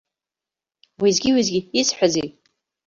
Уеизгьы-уеизгьы исҳәазеи?